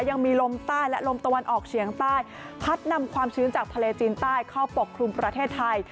ยังมีลมใต้และลมตะวันออกเฉียงใต้พัดนำความชื้นจากทะเลจีนใต้เข้าปกครุมประเทศไทย